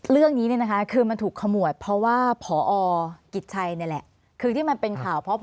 เรื่องนี้เนี่ยนะคะคือมันถูกขมวดเพราะว่าพอกิจชัยเนี่ยแหละ